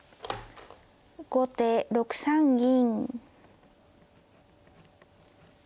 後手６三銀。